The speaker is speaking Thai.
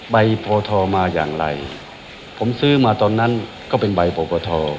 โพทมาอย่างไรผมซื้อมาตอนนั้นก็เป็นใบปปท